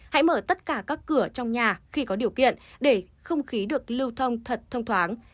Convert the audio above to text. hãy mở tất cả các cửa trong nhà khi có điều kiện để không khí được lưu thông thật thông thoáng